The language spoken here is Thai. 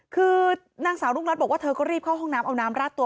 คือนางสาวรุ่งรัฐบอกว่าเธอก็รีบเข้าห้องน้ำเอาน้ำราดตัว